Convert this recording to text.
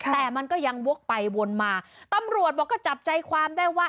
แต่มันก็ยังวกไปวนมาตำรวจบอกก็จับใจความได้ว่า